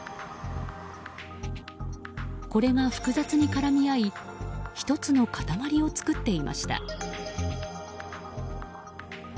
これが複雑に絡み合い１つの塊を作っていました。